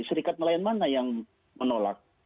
serikat nelayan mana yang menolak